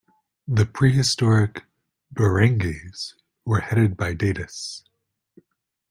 The prehistoric barangays were headed by datus.